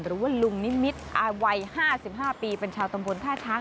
หรือว่าลุงนิมิตรอายุ๕๕ปีเป็นชาวตำบลท่าช้าง